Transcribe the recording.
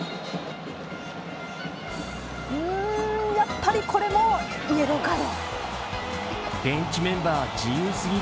やっぱりこれもイエローカード。